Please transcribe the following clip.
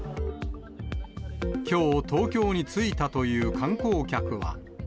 きょう、東京に着いたという観光客は。